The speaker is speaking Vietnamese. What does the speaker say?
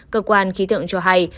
cơ quan khí tượng cho hay